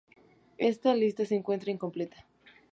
Esta lista se encuentra incompleta.